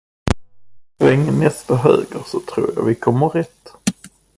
Sväng nästa höger så tror jag vi kommer rätt.